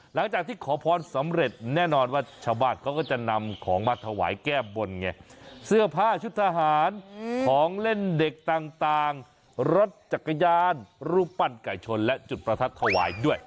หลังจากที่ขอพรสำเร็จแน่นอนว่าชาวบ้านเขาก็จะนำของมาถวายแก้บนไงเสื้อผ้าชุดทหารของเล่นเด็กต่างรถจักรยานรูปปั้นไก่ชนและจุดประทัดถวายด้วย